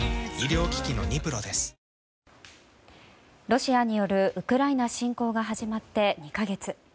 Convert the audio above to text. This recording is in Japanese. ロシアによるウクライナ侵攻が始まって２か月。